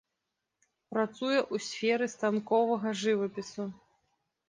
Працуе ў сферы станковага жывапісу.